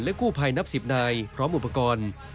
กู้ภัยนับ๑๐นายพร้อมอุปกรณ์